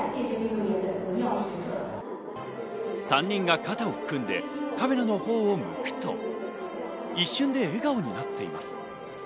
３人が肩を組んでカメラのほうを向くと一瞬で笑顔になっています。